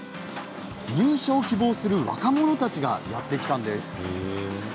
入社を希望する若者たちがやって来たんです。